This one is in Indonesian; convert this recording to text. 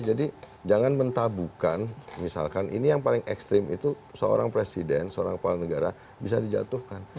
jadi jangan mentabukan misalkan ini yang paling ekstrim itu seorang presiden seorang kepala negara bisa dijatuhkan